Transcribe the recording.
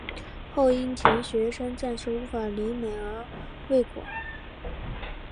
后因钱学森暂时无法离美而未果。